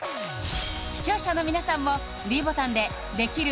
視聴者の皆さんもｄボタンでできる？